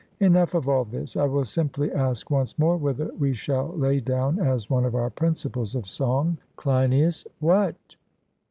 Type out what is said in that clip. Enough of all this. I will simply ask once more whether we shall lay down as one of our principles of song CLEINIAS: What?